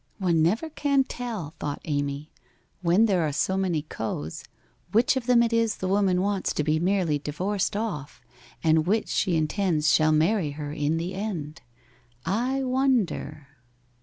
'One never can tell,' thought Amy, ' when there are so many cos, which of them it is the woman wants to be merely di vorced off, and which she intends shall marry her in the end ? I wonder